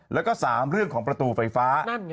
แล้วก็๓เรื่องของประตูไฟฟ้า